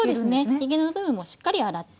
ひげ根の部分もしっかり洗って。